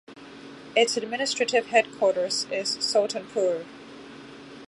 Its administrative headquarters is Sultanpur.